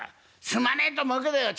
すまねえな！と思うけどよ。